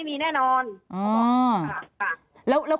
ตอนที่จะไปอยู่โรงเรียนจบมไหนคะ